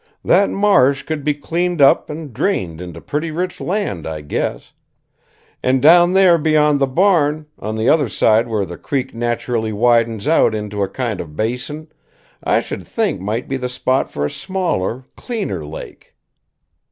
That marsh could be cleaned up and drained into pretty rich land, I guess. And down there beyond the barn, on the other side where the creek naturally widens out into a kind of basin, I should think might be the spot for a smaller, cleaner lake."